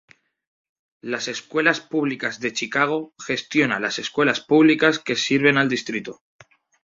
Las Escuelas Públicas de Chicago gestiona las escuelas públicas que sirven al distrito.